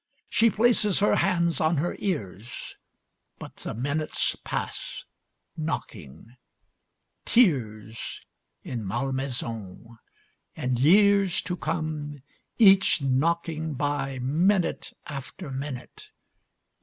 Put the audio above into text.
She places her hands on her ears, but the minutes pass, knocking. Tears in Malmaison. And years to come each knocking by, minute after minute.